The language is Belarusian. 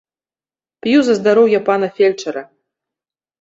П'ю за здароўе пана фельчара.